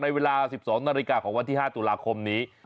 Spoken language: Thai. เวลา๑๒นาฬิกาของวันที่๕ตุลาคมนี้